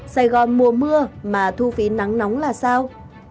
sài gòn mùa mưa mà thu phí nắng nóng là sao